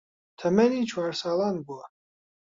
تەمەنی چوار ساڵان بووە